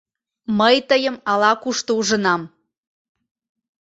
Мый тыйым ала-кушто ужынам.